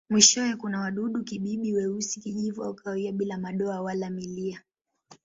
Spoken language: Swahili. Mwishowe kuna wadudu-kibibi weusi, kijivu au kahawia bila madoa wala milia.